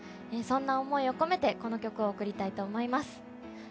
そんな思いを込めてこの曲を贈りたいと思います。